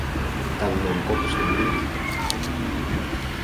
Таҥнам колтышна мӱндыркӧ